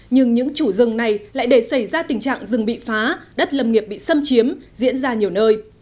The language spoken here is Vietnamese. nhưng những chủ rừng này lại để xảy ra tình trạng rừng bị phá đất lâm nghiệp bị xâm chiếm ra nhiều nơi